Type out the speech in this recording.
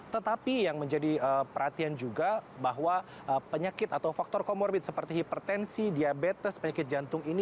tetapi yang menjadi perhatian juga bahwa penyakit atau faktor komorbid seperti hipertensi diabetes penyakit jantung ini